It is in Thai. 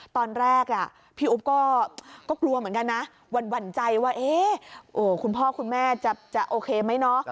ตอนแรกพี่อุ๊บก็กลัวเหมือนกันนะหวั่นใจว่าคุณพ่อคุณแม่จะโอเคไหมเนาะ